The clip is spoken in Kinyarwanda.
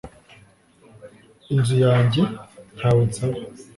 inzu yanjye ntawe nsaba